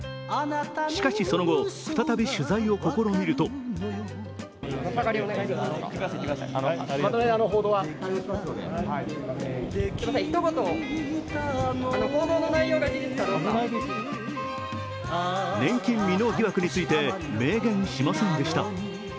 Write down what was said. しかし、その後再び取材を試みると年金未納疑惑について明言しませんでした。